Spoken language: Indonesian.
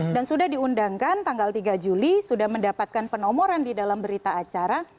dan sudah diundangkan tanggal tiga juli sudah mendapatkan penomoran di dalam berita acara